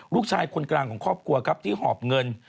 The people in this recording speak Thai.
ลูกชายคนกลางของครอบครัวครับที่หอบเงิน